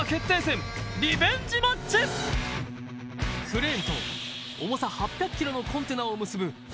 クレーンと重さ８００ｋｇのコンテナを結ぶ